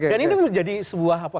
dan ini menjadi sebuah apa